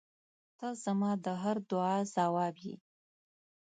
• ته زما د هر دعا جواب یې.